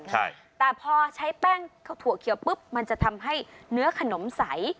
ใช่แต่พอใช้แป้งข้าวถั่วเขียวปุ๊บมันจะทำให้เนื้อขนมใส